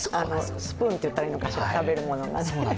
スープンと言ったらいいのかしら食べるものがね。